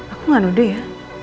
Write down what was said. aku gak nudih ya